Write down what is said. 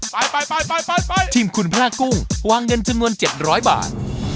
ไปไปทีมคุณพระกุ้งวางเงินจำนวน๗๐๐บาท